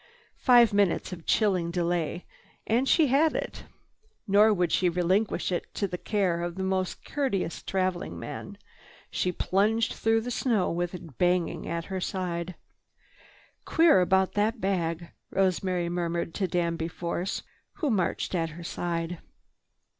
Five minutes of chilling delay, and she had it. Nor would she relinquish its care to the most courteous traveling man. She plunged through the snow with it banging at her side. "Queer about that bag," Rosemary murmured to Danby Force, who marched at her side.